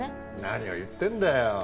何を言ってんだよ。